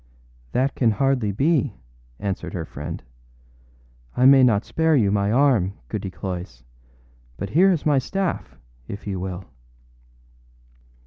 â âThat can hardly be,â answered her friend. âI may not spare you my arm, Goody Cloyse; but here is my staff, if you will.